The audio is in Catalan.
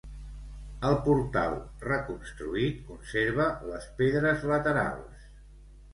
El portal, reconstruït, conserva les pedres laterals.